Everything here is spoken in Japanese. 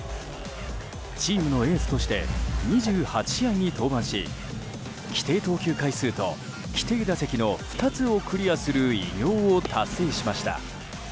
チームのエースとして２８試合に登板し規定投球回数と規定打席の２つをクリアする偉業を達成しました。